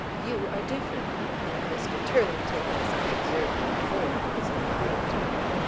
You are different. And Mr. Turlington, as I observed before, is a brute.)